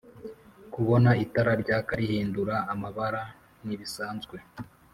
kubona itara ryaka rihindura amabara ntibisanzwe.